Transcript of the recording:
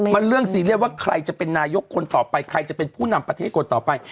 มันเรื่องซีเรียสว่าใครจะเป็นนายกคนต่อไปใครจะเป็นผู้นำประเทศคนต่อไป